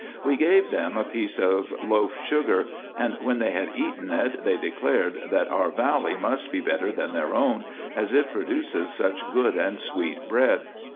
We gave them a piece of loaf sugar, and when they had eaten it, they declared, that our valley must be better than their own, as it produces such good and sweet bread.